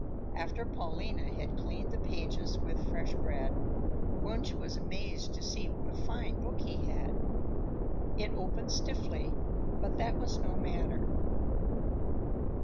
After Paulina had cleaned the pages with fresh bread, Wunsch was amazed to see what a fine book he had. It opened stiffly, but that was no matter.